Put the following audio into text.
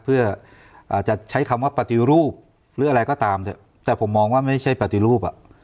เพื่อจะใช้คำว่าปฏิรูปหรืออะไรก็ตามแต่ผมมองว่าไม่ใช่ปฏิรูปอ่ะ